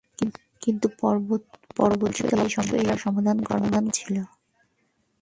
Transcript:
কিন্তু পরবর্তীতে অবশ্য এই সমস্যাটির সমাধান করা হয়েছিল।